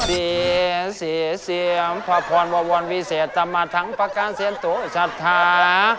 สี่สี่เสียมพระพรวะวันวิเศษตามมาทั้งประกาศเสียร์ตัวชัดท้า